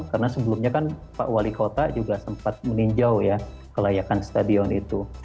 karena sebelumnya kan pak wali kota juga sempat meninjau ya kelayakan stadion itu